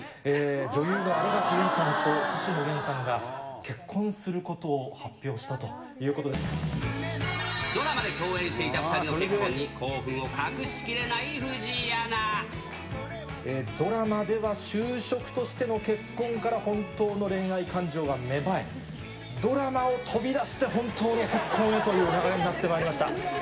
女優の新垣結衣さんと星野源さんが結婚することを発表したというドラマで共演していた２人の結婚に、ドラマでは就職としての結婚から本当の恋愛感情が芽生え、ドラマを飛び出して本当の結婚へという流れになってまいりました。